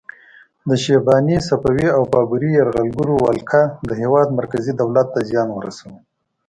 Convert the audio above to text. د شیباني، صفوي او بابري یرغلګرو ولکه د هیواد مرکزي دولت ته زیان ورساوه.